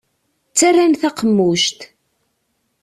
Ttarran taqemmuct.